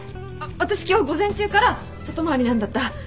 私今日午前中から外回りなんだった。